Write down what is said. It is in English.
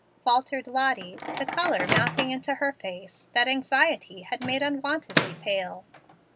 faltered Lottie, the color mounting into her face, that anxiety had made unwontedly pale.